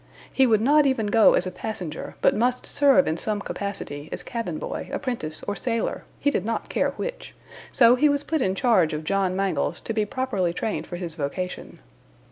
He would not even go as a passenger, but must serve in some capacity, as cabin boy, apprentice or sailor, he did not care which, so he was put in charge of John Mangles, to be properly trained for his vocation.